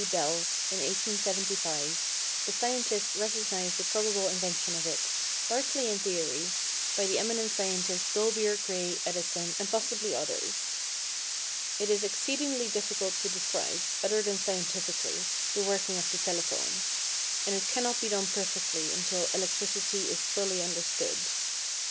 Bell, in 1875, but scientists recognize the probable invention of it, largely in theory, by the eminent scientists Dolbear, Gray, Edison, and possibly others. It is exceedingly difficult to describe, other than scientifically, the working of the telephone; and it cannot be done perfectly until electricity is fully understood.